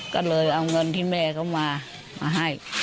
ก็เลยเอาเงินที่แม่เขามามาให้